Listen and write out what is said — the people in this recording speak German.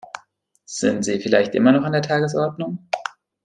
Sind sie vielleicht immer noch an der Tagesordnung?